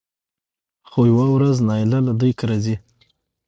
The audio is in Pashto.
خو يوه ورځ نايله له دوی کره ځي